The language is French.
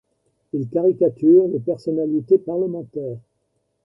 Il caricature les personnalités parlementaires.